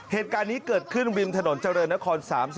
เหตุการณ์นี้เกิดขึ้นริมถนนเจริญนคร๓๔